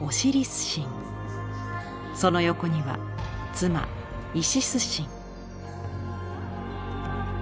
その横には妻イシス神。